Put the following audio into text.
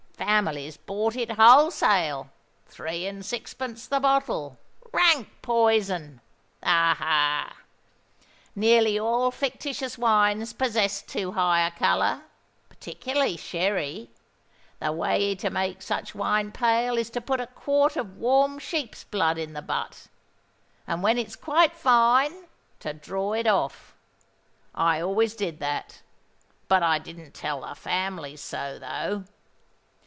Families bought it wholesale—three and sixpence the bottle—rank poison! Ha! ha! Nearly all fictitious wines possess too high a colour—particularly sherry: the way to make such wine pale is to put a quart of warm sheep's blood in the butt, and, when it's quite fine, to draw it off. I always did that—but I didn't tell the families so, though!